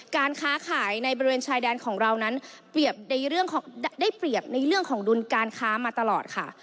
การค้าขายในบริเวณชายแดนของเรานั้นได้เปรียบในเรื่องของดุลการค้ามาตลอด